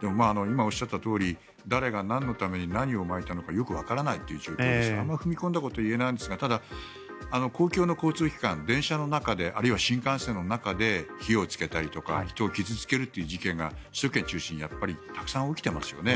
でも今おっしゃったとおり誰がなんのために何をまいたかよくわからないという状況ですからあまり踏み込んだことは言えないんですがただ、公共の交通機関電車の中であるいは新幹線の中で火をつけたりとか人を傷付けるという事件が首都圏を中心にたくさん起きてますよね。